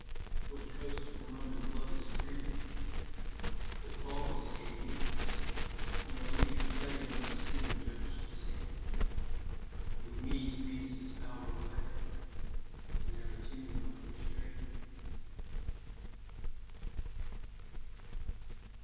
What coast from Roman blood is free? But pause, gay Muse, nor leave your play Another Cean dirge to sing; With me to Venus' bower away, And there attune a lighter string.